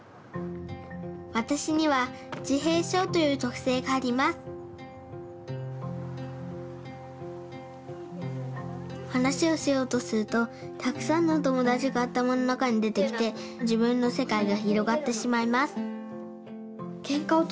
わたしにはじへいしょうというとくせいがありますはなしをしようとするとたくさんのおともだちがあたまのなかにでてきて自分のせかいがひろがってしまいます